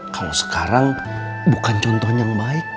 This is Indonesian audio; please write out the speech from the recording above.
kalau sekarang bukan contoh yang baik